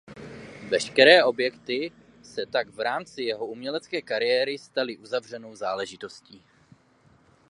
Veškeré objekty se tak v rámci jeho umělecké kariéry staly uzavřenou záležitostí.